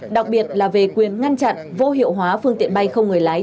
đặc biệt là về quyền ngăn chặn vô hiệu hóa phương tiện bay không người lái